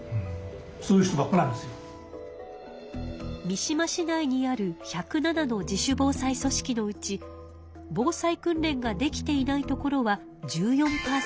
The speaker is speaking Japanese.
三島市内にある１０７の自主防災組織のうち防災訓練ができていない所は１４％。